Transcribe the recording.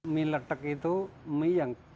mie letek itu mie yang